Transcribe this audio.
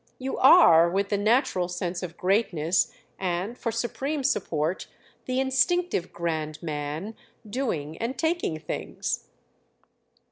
You are—with the natural sense of greatness and, for supreme support, the instinctive grand man doing and taking things."